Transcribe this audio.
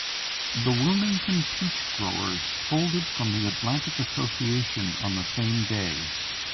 The Wilmington Peach Growers folded from the Atlantic Association on the same day.